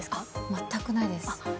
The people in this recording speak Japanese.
全くないです。